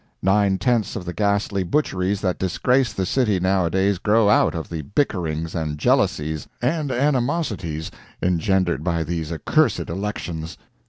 Nine tenths of the ghastly butcheries that disgrace the city nowadays grow out of the bickerings and jealousies and animosities engendered by these accursed elections.